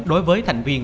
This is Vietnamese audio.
đối với thành viên